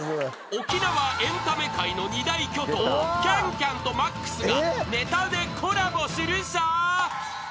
［沖縄エンタメ界の二大巨頭キャン×キャンとＭＡＸがネタでコラボするぞ］